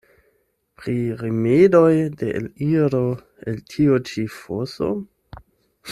Pri rimedoj de eliro el tiu ĉi foso?